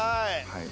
はい。